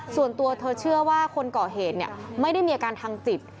ส่วนตัวเธอเชื่อว่าคนก่อเหตุไม่ได้มีอาการทางจิต